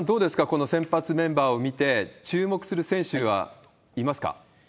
この先発メンバーを見て、注目する選手はいますか？